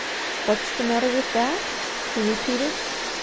"'What's the matter with that?'" he repeated.